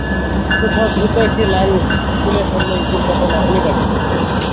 কোথাও দ্রুত একটি লাইন খুলে ফেললেই দুর্ঘটনা অনিবার্য।